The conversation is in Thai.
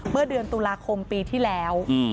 เมื่อเดือนตุลาคมปีที่แล้ว